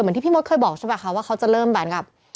เหมือนที่พี่มดเคยบอกใช่ป่ะคะว่าเขาจะเริ่มแบนกับ